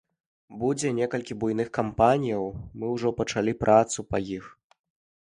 Будзе некалькі буйных кампаніяў, мы ўжо пачалі працу па іх.